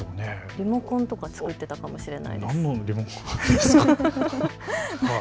リモコンとか作っていたかもしれない。